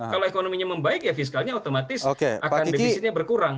kalau ekonominya membaik fiskalnya otomatis akan devisinya berkurang